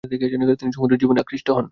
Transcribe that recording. তিনি সমুদ্রের জীবনে আকৃষ্ট হন।